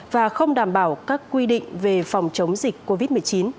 và không đảm bảo các quy định về phòng chống dịch covid một mươi chín